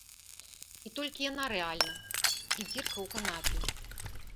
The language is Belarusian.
І толькі яна рэальна і дзірка ў канапе.